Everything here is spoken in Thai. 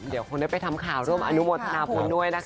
เดี๋ยวคงได้ไปทำข่าวร่วมอนุโมทนาบุญด้วยนะคะ